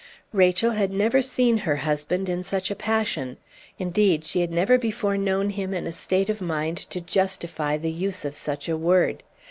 Rachel had never seen her husband in such a passion; indeed, she had never before known him in a state of mind to justify the use of such a word.